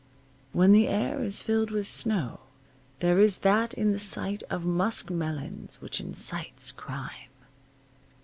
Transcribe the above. When the air is filled with snow there is that in the sight of muskmelons which incites crime.